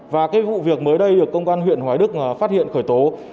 và cái vụ việc mới đây được công an huyện hoài đức phát hiện khởi tố